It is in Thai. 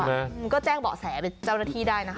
มันก็แจ้งเบาะแสไปเจ้าหน้าที่ได้นะคะ